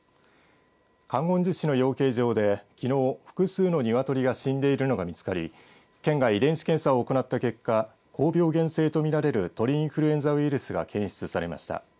観音寺市の養鶏場できのう、複数の鶏が死んでいるのが見つかり県が遺伝子検査を行った結果高病原性と見られる鳥インフルエンザウイルスが検出されました。